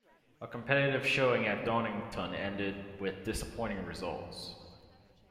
A competitive showing at Donington ended with disappointing results.